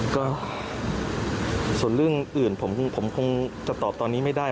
ก็ส่วนเรื่องอื่นผมคงจะตอบตอนนี้ไม่ได้